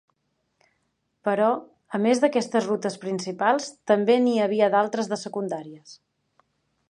Però, a més d'aquestes rutes principals, també n'hi havia d'altres de secundàries.